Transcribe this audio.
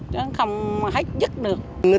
chứ không hết dứt được